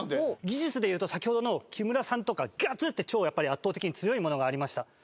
技術でいうと先ほどの木村さんとかがつって超やっぱり圧倒的に強いものがありました。